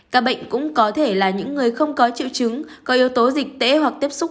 các bệnh cũng có thể là những người không có triệu chứng có yếu tố dịch tễ hoặc tiếp xúc